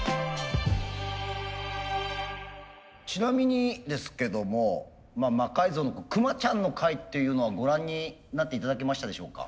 ちなみにですけども「魔改造」のクマちゃんの回っていうのはご覧になって頂けましたでしょうか？